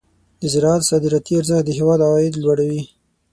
د زراعت صادراتي ارزښت د هېواد عاید لوړوي.